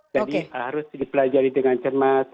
jadi harus dipelajari dengan cermat